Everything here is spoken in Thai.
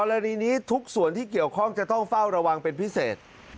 อันนี้ทุกส่วนที่เกี่ยวข้องจะต้องเฝ้าระวังเป็นพิเศษ